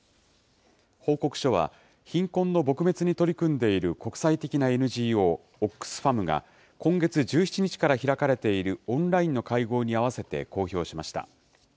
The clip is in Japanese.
報告書は、貧困の撲滅に取り組んでいる国際的なＮＧＯオックスファムが、今月１７日から開かれているオンラインの会合に合わせて公表しました。